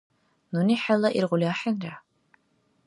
Нуни хӀела иргъули ахӀенра.